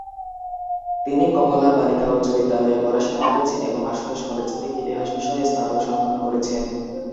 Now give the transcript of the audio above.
তিনি কমলা বালিকা উচ্চ বিদ্যালয়ে পড়াশোনা করেছেন এবং আশুতোষ কলেজ থেকে ইতিহাস বিষয়ে স্নাতক সম্পন্ন করেছেন।